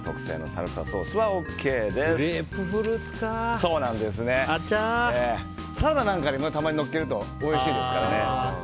サラダなんかにもたまにのっけるとおいしいですからね。